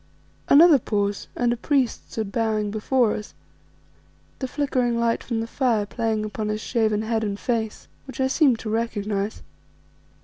Another pause, and a priest stood bowing before us, the flickering light from the fire playing upon his shaven head and face, which I seemed to recognize.